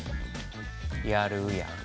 やるやん。